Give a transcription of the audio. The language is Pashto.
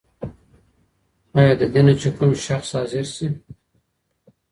آيا ددينه چې کوم دشمن حاضر شوی؟